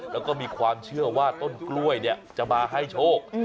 แล้วก็มีความเชื่อว่าต้นกล้วยจะมาให้โชค